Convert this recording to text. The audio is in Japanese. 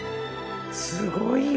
すごいよ。